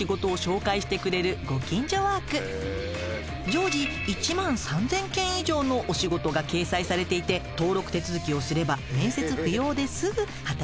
常時１万３，０００件以上のお仕事が掲載されていて登録手続きをすれば面接不要ですぐ働けるのよ。